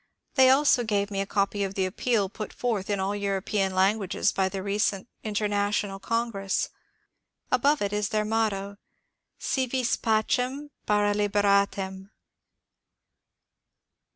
They also gave me a copy of the appeal put forth in all European languages by the recent International Congress. Above it is their motto : Si vis pacem^ para libertatem.